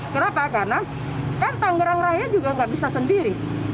kenapa karena kan tangerang raya juga nggak bisa sendiri